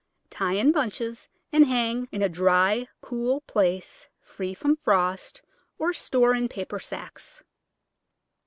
Tie in bunches and hang in a dry, cool place, free from frost, or store in paper sacks.